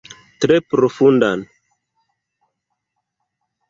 Tre profundan.